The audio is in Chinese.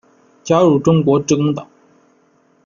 加入中国致公党。